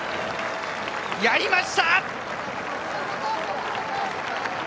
やりました！